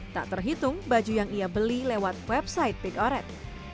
tak terhitung baju yang ia beli lewat website big oret